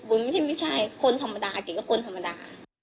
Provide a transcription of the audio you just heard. ก็พี่แหลมไม่ใช่คนธรรมดาเก๋ก็คนธรรมดา